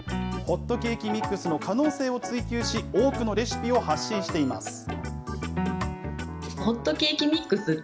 ホットケーキミックスの可能性を追求し、多くのレシピを発信しています。